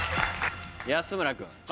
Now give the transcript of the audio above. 安村君。